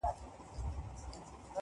• را په زړه مي خپل سبق د مثنوي سي -